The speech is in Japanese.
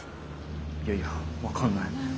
いやいや分かんない。